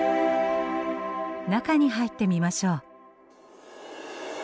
中に入ってみましょう。